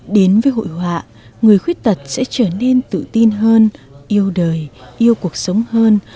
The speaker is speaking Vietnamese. đến với hội họa người khuyết tật sẽ trở nên tự tin hơn yêu đời yêu cuộc sống hơn